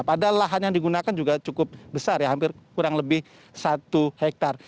padahal lahan yang digunakan juga cukup besar ya hampir kurang lebih satu hektare